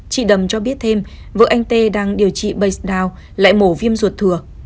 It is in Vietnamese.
chị đầm cho biết thêm vợ anh t đang điều trị base down lại mổ viêm ruột thừa